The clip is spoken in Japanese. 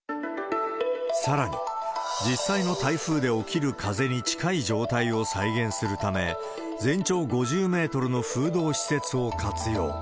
さらに、実際の台風で起きる風に近い状態を再現するため、全長５０メートルの風洞施設を活用。